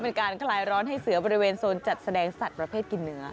การคลายร้อนให้เสือบริเวณโซนจัดแสดงสัตว์ประเภทกินเนื้อ